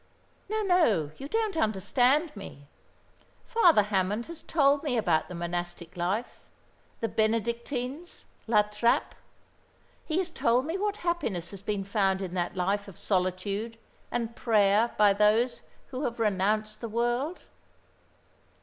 "No, no, you don't understand me. Father Hammond has told me about the monastic life the Benedictines, La Trappe. He has told me what happiness has been found in that life of solitude and prayer by those who have renounced the world."